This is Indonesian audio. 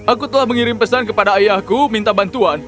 aku telah mengirim pesan kepada ayahku minta bantuan